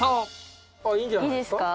いいんじゃないですか。